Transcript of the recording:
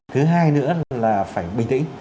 thứ hai nữa là phải bình tĩnh